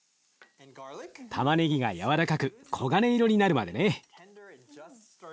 たまねぎが軟らかく黄金色になるまでね。